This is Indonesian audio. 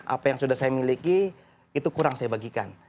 apa yang sudah saya miliki itu kurang saya bagikan